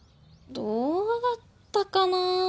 どうだったかな？